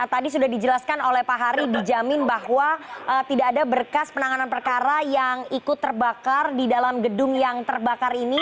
tadi sudah dijelaskan oleh pak hari dijamin bahwa tidak ada berkas penanganan perkara yang ikut terbakar di dalam gedung yang terbakar ini